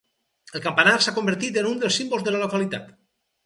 El campanar s'ha convertit en un dels símbols de la localitat.